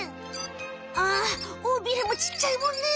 ああ尾ビレもちっちゃいもんね。